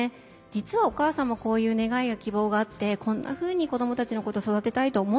「実はお母さんもこういう願いや希望があってこんなふうに子どもたちのこと育てたいと思ってたんだよね」